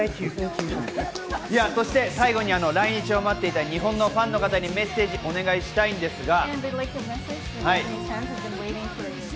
最後に来日を待っていた日本のファンの方にメッセージをお願いしたいんですが。